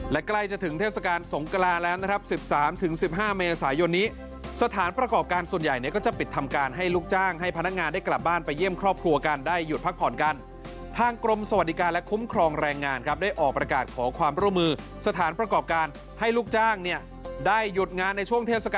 และใกล้จะถึงเทศกาลสงกราแล้วนะครับ๑๓๑๕เมษายนนี้สถานประกอบการส่วนใหญ่เนี่ยก็จะปิดทำการให้ลูกจ้างให้พนักงานได้กลับบ้านไปเยี่ยมครอบครัวกันได้หยุดพักผ่อนกันทางกรมสวัสดิการและคุ้มครองแรงงานครับได้ออกประกาศขอความร่วมมือสถานประกอบการให้ลูกจ้างเนี่ยได้หยุดงานในช่วงเทศกา